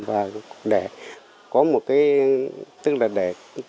và để có một cái tức là để